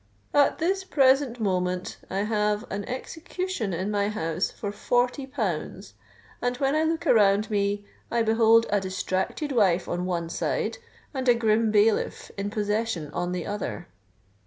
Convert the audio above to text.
'_At this present moment I have an execution in my house for forty pounds; and when I look around me, I behold a distracted wife on one side, and a grim bailiff in possession on the other.